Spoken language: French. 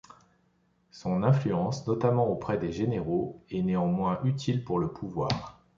Son influence, notamment auprès des généraux, est néanmoins utile pour le pouvoir.